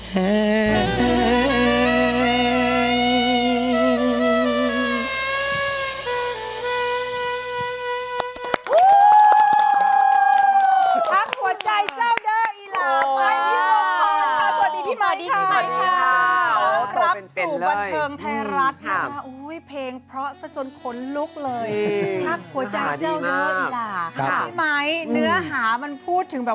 แห่ง